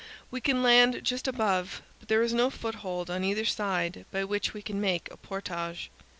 We can land just above, but there is no foothold on either side by which we can make a portage.